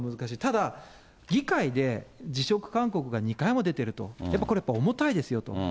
ただ、議会で辞職勧告が２回も出てると、やっぱこれ、重たいですよと。